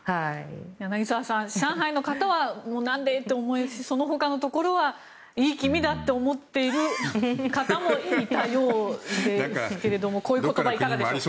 柳澤さん、上海の方はなんでと思うしそのほかのところはいい気味だって思っている方もいたようですけれどもこういう言葉、いかがですか？